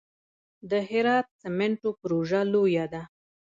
د هرات سمنټو پروژه لویه ده